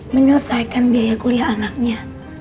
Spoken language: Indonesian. menyelesaikan biaya kuliah anaknya